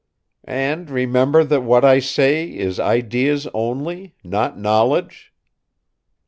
"And remember that what I say is ideas only, not knowledge?"